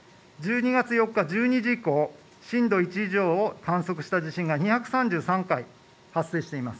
１２月４日１２時以降震度１以上を観測した地震が２３３回発生しています。